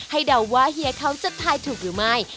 เดาว่าเฮียเขาจะทายถูกหรือไม่